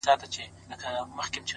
o زه نو بيا څنگه مخ در واړومه؛